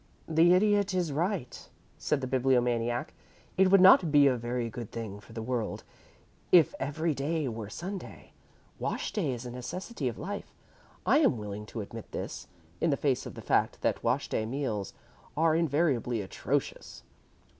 "The Idiot is right," said the Bibliomaniac. "It would not be a very good thing for the world if every day were Sunday. Wash day is a necessity of life. I am willing to admit this, in the face of the fact that wash day meals are invariably atrocious.